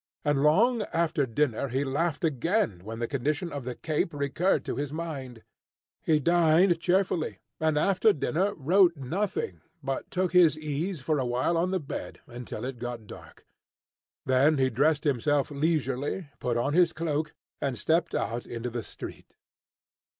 And long after dinner he laughed again when the condition of the "cape" recurred to his mind. He dined cheerfully, and after dinner wrote nothing, but took his ease for a while on the bed, until it got dark. Then he dressed himself leisurely, put on his cloak, and stepped out into the street.